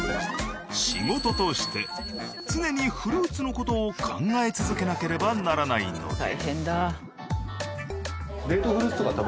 仕事として常にフルーツの事を考え続けなければならないので。